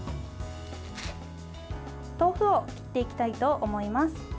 豆腐を切っていきたいと思います。